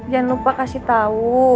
jangan lupa kasih tau